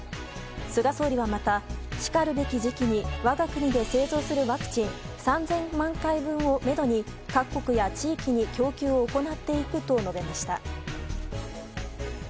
菅総理はまた、しかるべき時期に我が国で製造するワクチン３０００万回分をめどに各国や地域に供給を行っていくと述べました。